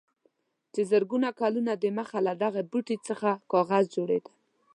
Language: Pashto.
چې زرګونه کاله دمخه له دغه بوټي څخه کاغذ جوړېده.